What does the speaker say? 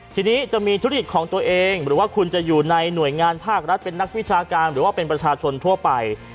ทีนี้จะมีธุรกิจของตัวเองหรือว่าคุณจะอยู่ในหน่วยงานภาครัฐเป็นนักวิชาการหรือว่าเป็นประชาชนทั่วไป